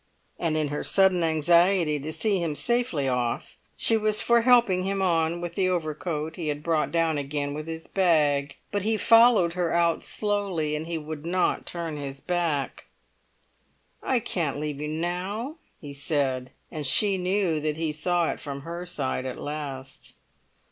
And in her sudden anxiety to see him safely off, she was for helping him on with the overcoat he had brought down again with his bag; but he followed her out slowly, and he would not turn his back. "I can't leave you now," he said; and she knew that he saw it from her side at last.